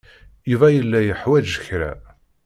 Yuba yella yeḥwaj kra.